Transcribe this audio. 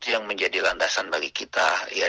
yang menjadi landasan bagi kita